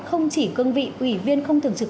không chỉ cương vị ủy viên không thường trực